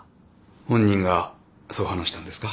本人がそう話したんですか？